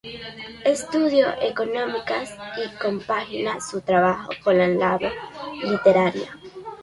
Estudió económicas y compagina su trabajo con la labor literaria.